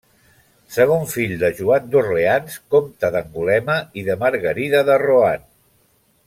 Segon fill de Joan d'Orleans, comte d'Angulema, i de Margarida de Rohan.